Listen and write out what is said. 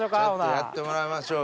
やってもらいましょうよ。